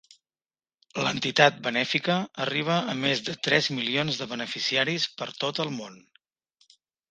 L'entitat benèfica arriba a més de tres milions de beneficiaris per tot el món.